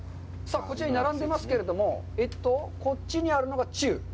こちらに並んでますけれども、えっと、こっちにあるのが中？